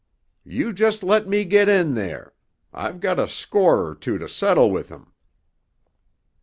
You just let me get in there! I've got a score or two to settle with him!"